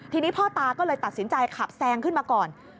ทีนี้พ่อตาก็เลยตัดสินใจขับแซงขึ้นมาก่อน